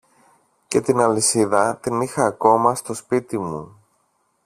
και την αλυσίδα την είχα ακόμα στο σπίτι μου.